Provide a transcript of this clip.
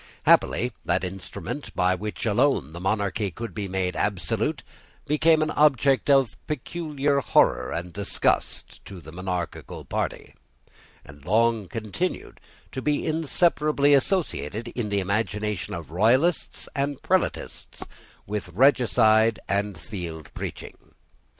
Happily that instrument by which alone the monarchy could be made absolute became an object of peculiar horror and disgust to the monarchical party, and long continued to be inseparably associated in the imagination of Royalists and Prelatists with regicide and field preaching.